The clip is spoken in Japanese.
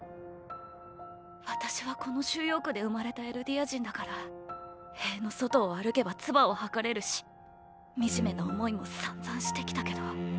私はこの収容区で生まれたエルディア人だから塀の外を歩けばツバを吐かれるし惨めな思いも散々してきたけど。